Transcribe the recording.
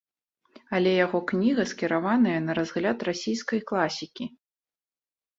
Але яго кніга скіраваная на разгляд расійскай класікі.